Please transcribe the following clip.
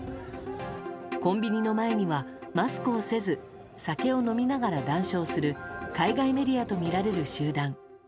コンビニの前にはマスクをせず酒を飲みながら談笑する海外メディアとみられる集団。